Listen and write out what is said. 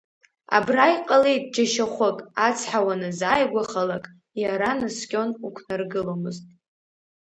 Абра иҟалеит џьашьахәык, ацҳа уаназааигәахалак, иара наскьон уқәнаргыломызт.